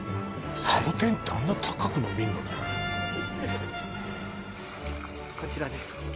サボテンってあんな高く伸びるのねこちらです